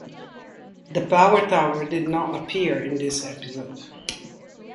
The Power Tower did not appear in this episode